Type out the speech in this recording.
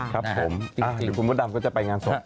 ครับผมหรือคุณมดดำก็จะไปงานศพ